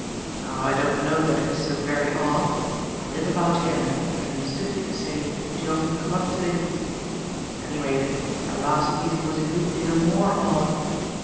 "Oh, I don't know that it is so very odd. I live about here and I understood you to say that you often come up to the Heath. At any rate, our last meeting was a good deal more odd."